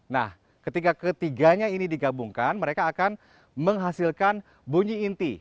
nah ketika ketiganya ini digabungkan mereka akan menghasilkan bunyi inti